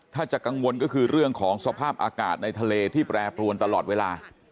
ถ้าจะกังวลก็คือเรื่องของสภาพอากาศในทะเลที่แปรปรวนตลอดเวลา